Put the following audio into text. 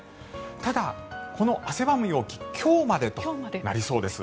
ただ、この汗ばむ陽気今日までとなりそうです。